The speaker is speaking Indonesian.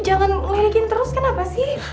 jangan lirikin terus kenapa sih